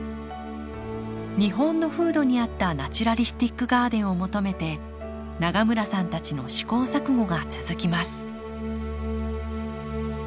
日本の風土に合ったナチュラリスティックガーデンを求めて永村さんたちの試行錯誤が続きます